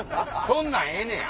そんなんええねん！